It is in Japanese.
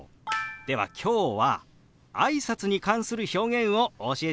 では今日はあいさつに関する表現をお教えしましょう。